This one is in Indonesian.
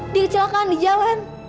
di kecelakaan di jalan